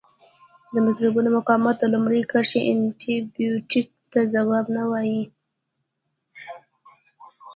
د مکروبونو مقاومت د لومړۍ کرښې انټي بیوټیکو ته ځواب نه وایي.